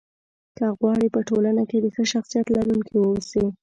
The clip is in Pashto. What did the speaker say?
که غواړئ! په ټولنه کې د ښه شخصيت لرونکي واوسی